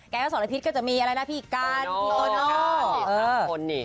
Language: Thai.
แก๊งอสรพิษก็จะมีอะไรนะพี่กัลโอโน่